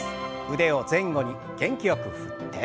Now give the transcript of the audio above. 腕を前後に元気よく振って。